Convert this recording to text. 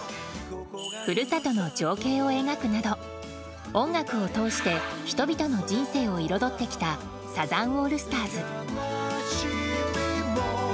故郷の情景を描くなど音楽を通して人々の人生を彩ってきたサザンオールスターズ。